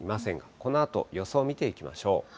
このあと予想見ていきましょう。